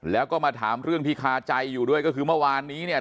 แล้วก็มาถามเรื่องที่คาใจอยู่ด้วยก็คือเมื่อวานนี้เนี่ย